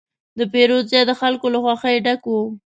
د پیرود ځای د خلکو له خوښې ډک و.